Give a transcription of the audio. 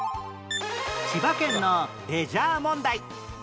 千葉県のレジャー問題